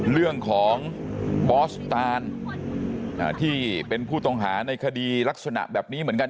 เรื่องของบอสตานที่เป็นผู้ต้องหาในคดีลักษณะแบบนี้เหมือนกัน